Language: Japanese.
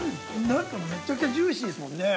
◆めちゃくちゃジューシーですもんね。